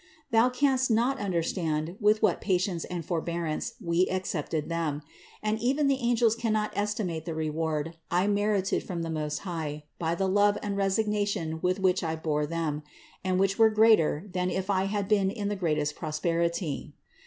Thou canst not understand with what patience and for bearance We accepted them ; and even the angels cannot estimate the reward I merited from the Most High by THE INCARNATION 567 the love and resignation with which I bore them, and which were greater than if I had been in the greatest prosperity.